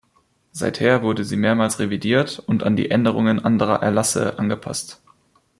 Seither wurde sie mehrmals revidiert und an die Änderungen anderer Erlasse angepasst.